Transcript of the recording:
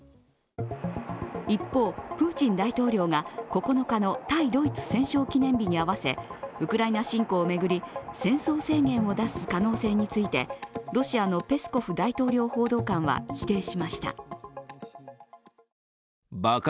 一方、プーチン大統領が９日の対ドイツ戦勝記念日に合わせウクライナ侵攻を巡り戦争宣言を出す可能性についてロシアのペスコフ大統領報道官は否定しました。